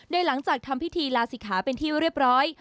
โดยหลังจากทำพิธีลาศิกขาเป็นที่เรียบร้อย